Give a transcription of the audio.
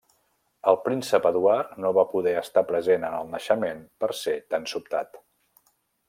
El príncep Eduard no va poder estar present en el naixement per ser tan sobtat.